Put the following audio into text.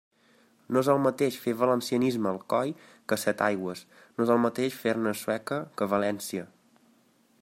No és el mateix fer valencianisme a Alcoi que a Setaigües, no és el mateix fer-ne a Sueca que a València.